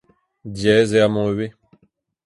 Diaes eo amañ ivez.